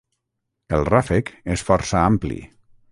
El ràfec és força ampli.